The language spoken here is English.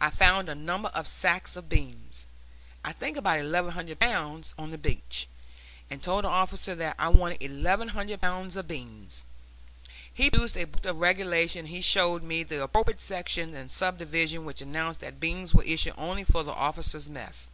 I found a number of sacks of beans, I think about eleven hundred pounds, on the beach; and told the officer that I wanted eleven hundred pounds of beans. He produced a book of regulations, and showed me the appropriate section and subdivision which announced that beans were issued only for the officers' mess.